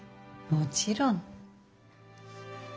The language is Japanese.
もちろん。